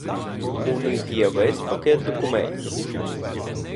У них є весь пакет документів.